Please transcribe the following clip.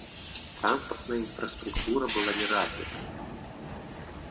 Транспартная інфраструктура была не развіта.